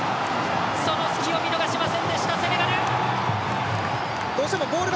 その隙を見逃しませんでしたセネガル！